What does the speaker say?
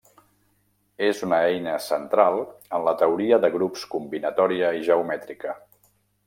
És una eina central en la teoria de grups combinatòria i geomètrica.